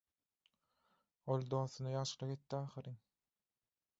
Ol dostuna ýagşylyk etdi ahyryn.